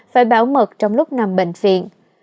phải bảo mật trong lúc nằm bệnh viện